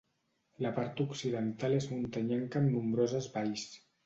La part occidental és muntanyenca amb nombroses valls.